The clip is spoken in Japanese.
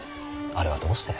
あれはどうして。